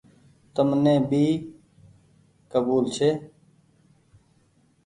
تم ني ڀي ڪبول ڇي۔